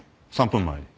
３分前に。